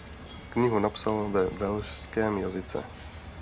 Knihu napsal ve velšském jazyce.